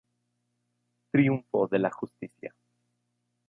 Triunfo de la justicia.